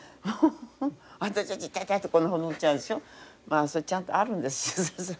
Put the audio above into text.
まあそれちゃんとあるんですよ。